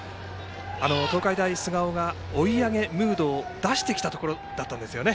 東海大菅生が追い上げムードを出してきたところだったんですね。